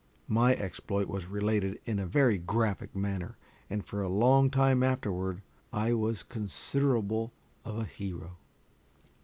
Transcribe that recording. My exploit was related in a very graphic manner, and for a long time afterward I was considerable of a hero.